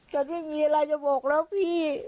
ฉันไม่มีอะไรจะบอกแล้วพี่